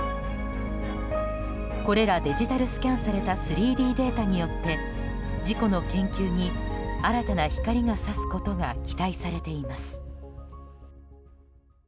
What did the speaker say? これら、デジタルスキャンされた３Ｄデータによって事故の研究に新たな光が差すことが期待されています。